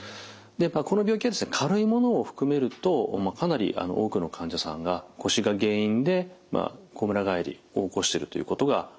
この病気は軽いものを含めるとかなり多くの患者さんが腰が原因でこむら返りを起こしているということが考えられます。